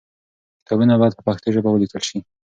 کتابونه باید په پښتو ژبه ولیکل سي.